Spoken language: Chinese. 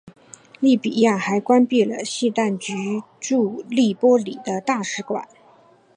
利比亚还关闭了叙当局驻的黎波里的大使馆。